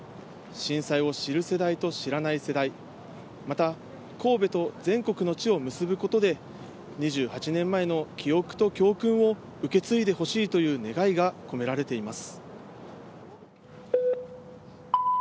震災を知る世代と知らない世代、また神戸と全国の地をむすぶことで、２８年前の記憶と教訓を受け継いでほしいという願いが込められています。